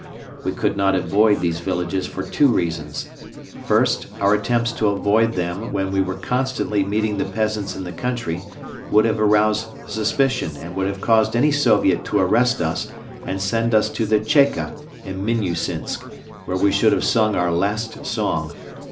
We could not avoid these villages for two reasons. First, our attempts to avoid them when we were constantly meeting the peasants in the country would have aroused suspicion and would have caused any Soviet to arrest us and send us to the "Cheka" in Minnusinsk, where we should have sung our last song.